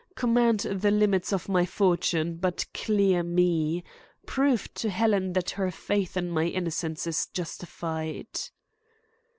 Command the limits of my fortune, but clear me. Prove to Helen that her faith in my innocence is justified."